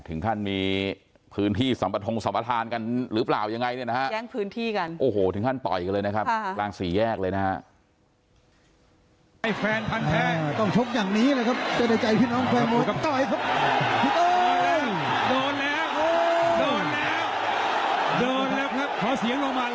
ถึงท่านมีพื้นที่สัมปทรงสัมปทานกันหรือเปล่ายังไงเนี้ยนะฮะแย้งพื้นที่กัน